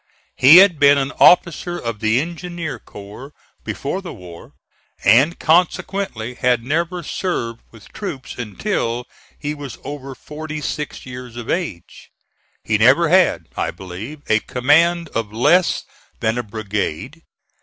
He had been an officer of the engineer corps before the war, and consequently had never served with troops until he was over forty six years of age. He never had, I believe, a command of less than a brigade.